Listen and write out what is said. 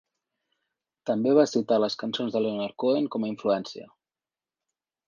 També va citar les cançons de Leonard Cohen com a influència.